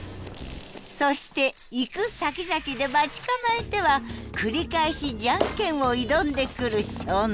そして行くさきざきで待ち構えては繰り返し「ジャンケン」を挑んでくる少年。